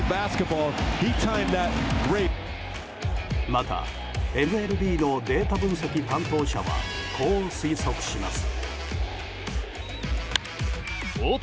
また、ＭＬＢのデータ分析担当者はこう推測します。